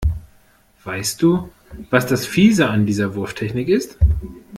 Weißt du, was das Fiese an dieser Wurftechnik ist?